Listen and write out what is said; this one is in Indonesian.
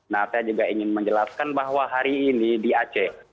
nah saya juga ingin menjelaskan bahwa hari ini di aceh